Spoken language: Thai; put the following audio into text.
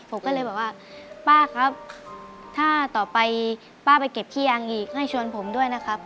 ผมก็เลยบอกว่าป้าครับถ้าต่อไปป้าไปเก็บขี้ยางอีกให้ชวนผมด้วยนะครับ